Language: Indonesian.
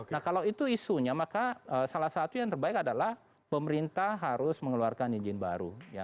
nah kalau itu isunya maka salah satu yang terbaik adalah pemerintah harus mengeluarkan izin baru